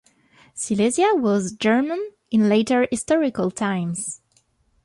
Silesia was German in later historical times.